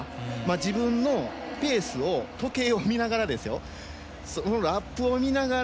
自分のペースを時計を見ながらラップを見ながら